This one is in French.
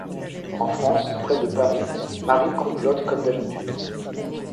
En France, près de Paris, Mary complote comme d'habitude.